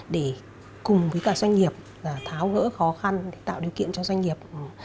để cùng với cả doanh nghiệp tháo gỡ khó khăn để tạo điều kiện cho doanh nghiệp